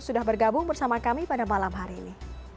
sudah bergabung bersama kami pada malam hari ini